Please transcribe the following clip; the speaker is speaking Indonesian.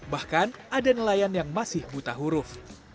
bahkan ada nelayan yang masih buta huruf